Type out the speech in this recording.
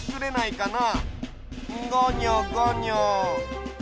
ごにょごにょ。